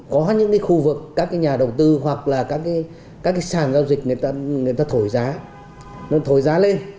có những khu vực các nhà đầu tư hoặc là các sản giao dịch người ta thổi giá nó thổi giá lên